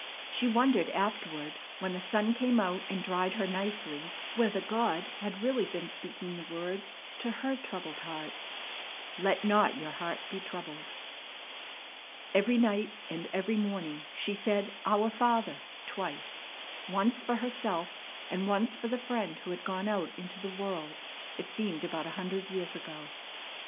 She wondered afterward when the sun came out and dried her nicely whether God had really been speaking the words to her troubled heart, "Let not your heart be troubled." Every night and every morning she said "Our Father" twice, once for herself and once for the friend who had gone out into the world, it seemed about a hundred years ago.